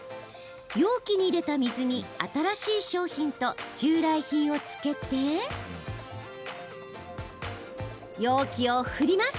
容器に入れた水に新しい商品と従来品をつけて容器を振ります。